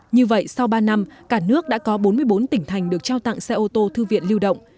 như vậy sau ba năm cả nước đã có bốn mươi bốn tỉnh thành được trao tặng xe ô tô thư viện lưu động